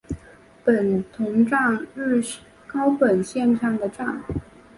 本桐站日高本线上的站。